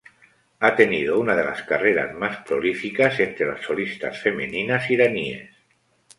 Ha tenido una de las carreras más prolíficas entre las solistas femeninas iraníes.